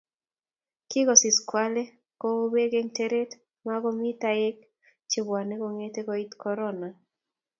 kikosis kwale ko u pek eng teret makomi taek chebwane konget koit korona